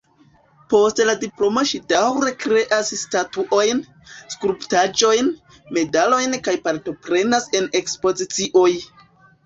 Post la diplomo ŝi daŭre kreas statuojn, skulptaĵojn, medalojn kaj partoprenas en ekspozicioj.